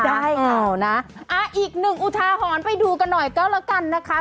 ได้เอานะอีกหนึ่งอุทาหรณ์ไปดูกันหน่อยก็แล้วกันนะคะ